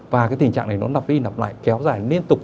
và cái tình trạng này nó nặp đi nặp lại kéo dài liên tục